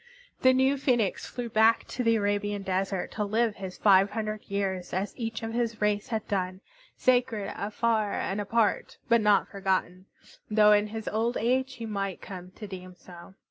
The new Phoenix flew back to the Arabian desert to live his five hundred years as each of his race had done, sacred, afar, and apart, but not forgotten, though in his old age he might come to deem so.